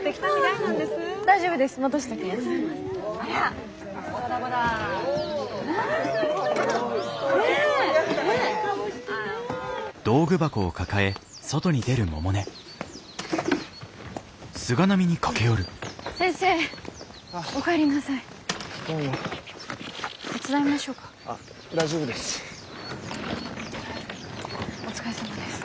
お疲れさまです。